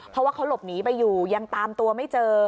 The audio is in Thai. เพราะว่าเขาหลบหนีไปอยู่ยังตามตัวไม่เจอ